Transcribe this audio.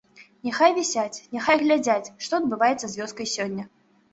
Няхай вісяць, няхай глядзяць, што адбываецца з вёскай сёння.